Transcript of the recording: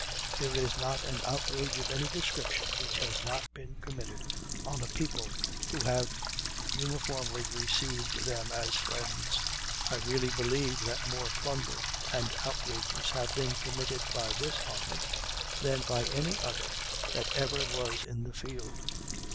There is not an outrage of any description which has not been committed on a people who have uniformly received them as friends." "I really believe that more plunder and outrages have been committed by this army than by any other that ever was in the field."